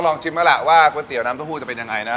นะต้องรอชิมว่าคุณเตี๋ยวน้ำโต้ผู้จะเป็นยังไง